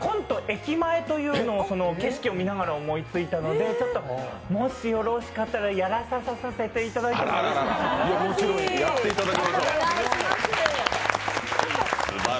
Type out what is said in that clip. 駅前という景色を見ながら思いついたのでもしよろしかったら、やらさささせていただければ。